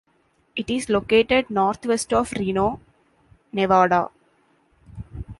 It is located northwest of Reno, Nevada.